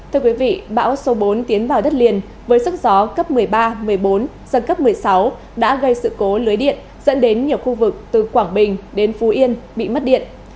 thưa quý vị bão số bốn tiến vào đất liền với sức gió cấp một mươi ba một mươi bốn dân cấp một mươi sáu đã gây sự cố lưới điện dẫn đến nhiều khu vực từ quảng bình đến phú yên bị mất điện